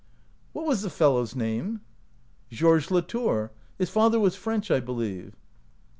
" What was the fellow's name ?"" Georges Latour. His father was French, I believe."